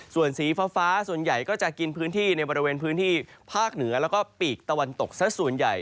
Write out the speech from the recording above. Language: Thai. ส่วนสีฟ้าส่วนใหญ่ก็จะกินพื้นที่ในบริเวณพื้นที่ภาคเหนือแล้วก็ปีกตะวันตกสักส่วนใหญ่